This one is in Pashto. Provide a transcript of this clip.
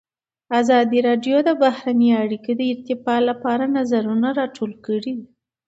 ازادي راډیو د بهرنۍ اړیکې د ارتقا لپاره نظرونه راټول کړي.